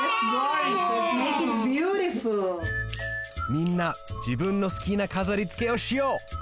みんなじぶんのすきなかざりつけをしよう！